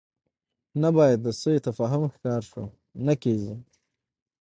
نه باید د سوء تفاهم ښکار شو، نه کېږو.